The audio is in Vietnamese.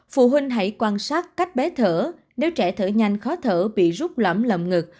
phụ huynh hãy quan sát cách bé thở nếu trẻ thở nhanh khó thở bị rút lõm lầm ngực